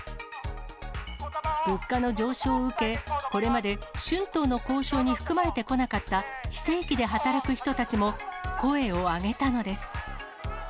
物価の上昇を受け、これまで春闘の交渉に含まれてこなかった非正規で働く人たちも、声を上げたのです。